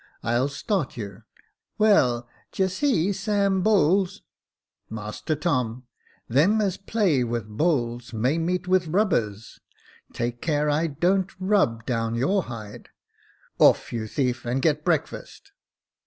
I'll start you. Well, d'ye see, Sam Bowles "" Master Tom, them as play with bowls may meet with rubbers. Take care I don't rub down your hide. Off, you thief, and get breakfast."